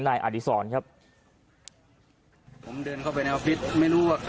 นายอาริโซนครับเดินเข้าไปในออฟฟิศไม่รู้ว่าใคร